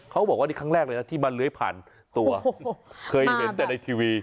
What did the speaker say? เขาบอกว่านี่ครั้งแรกเลยนะที่มันเลื้อยผ่านตัวเคยเห็นแต่ในทีวี